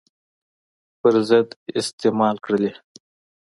په ضد استعمال کړلې.